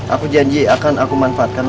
aku janji akan aku berhubungan dengan kamu